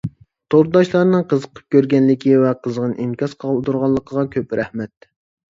تورداشلارنىڭ قىزىقىپ كۆرگەنلىكى ۋە قىزغىن ئىنكاس قالدۇرغانلىقىغا كۆپ رەھمەت.